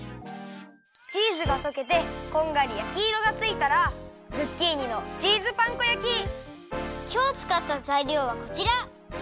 チーズがとけてこんがり焼きいろがついたらきょうつかったざいりょうはこちら。